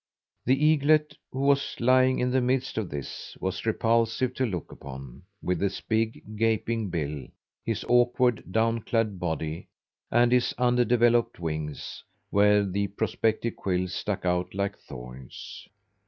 The eaglet, who was lying in the midst of this, was repulsive to look upon, with his big, gaping bill, his awkward, down clad body, and his undeveloped wings where the prospective quills stuck out like thorns.